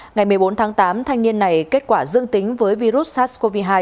ngày một mươi bốn tháng tám thanh niên này kết quả dương tính với virus sars cov hai